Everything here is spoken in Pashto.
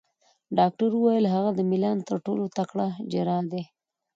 ډاکټر وویل: هغه د میلان تر ټولو تکړه جراح دی.